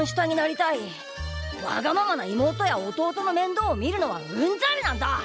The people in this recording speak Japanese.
わがままな妹や弟のめんどうを見るのはうんざりなんだ！